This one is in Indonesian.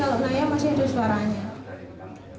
kalau ibu sudah ada suaranya tapi kalau naya masih ada suaranya